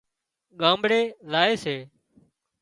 ڳامڙي زائي سي